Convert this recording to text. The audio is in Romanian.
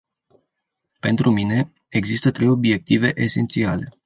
Pentru mine, există trei obiective esențiale.